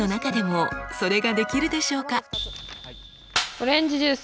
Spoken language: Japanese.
オレンジジュース。